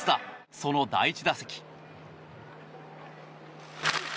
その第１打席。